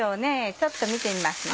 ちょっと見てみますね。